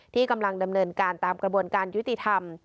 ที่กำลังดำเนินการตามกระบวนการยุติธรรม